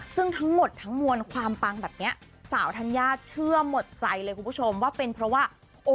ซึ่งทั้งหมดทั้งมวลความปังแบบนี้สาวธัญญาเชื่อหมดใจเลยคุณผู้ชมว่าเป็นเพราะว่า